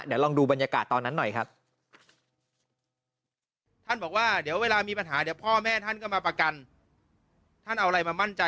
เดี๋ยวลองดูบรรยากาศตอนนั้นหน่อยครับ